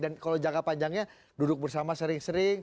dan kalau jangka panjangnya duduk bersama sering sering